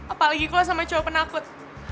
apalagi kalau sama cowok penakut